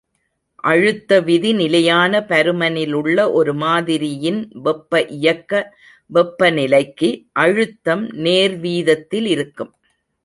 அழுத்த விதி நிலையான பருமனிலுள்ள ஒரு மாதிரியின் வெப்ப இயக்க வெப்பநிலைக்கு, அழுத்தம் நேர் வீதத்திலிருக்கும்.